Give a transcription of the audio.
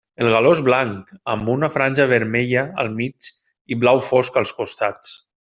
El galó és blanc, amb una franja vermella al mig i blau fosc als costats.